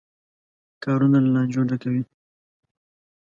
کارونه له لانجو ډکوي.